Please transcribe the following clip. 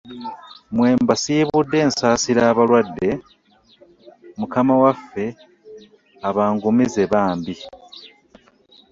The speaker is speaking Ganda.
Mmwe mbasiibudde nsaasira abalwadde, mukama waffe abangumize bambi.